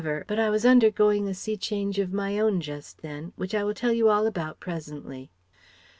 But I was undergoing a sea change of my own, just then, which I will tell you all about presently."